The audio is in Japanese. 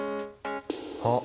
あっ！